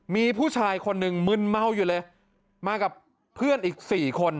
มีผู้ชายคนหนึ่งมึนเมาอยู่เลยมากับเพื่อนอีกสี่คน